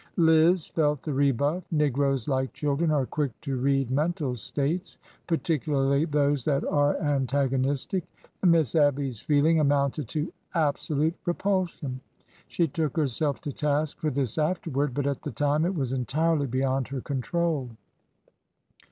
Liz felt the rebuff. Negroes, like children, are quick to read mental states, particularly those that are antago nistic, and Miss Abby's feeling amounted to absolute re^ pulsion. She took herself to task for this afterward, but at the time it was entirely beyond her control.